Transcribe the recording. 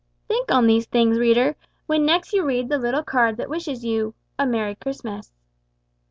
Think on these things, reader, when next you read the little card that wishes you "a merry Christmas!"